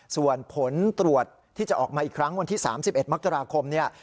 ส่วนผลตรวจที่จะออกมาอีกครั้งวันที่๓๑มกราคมเนี่ย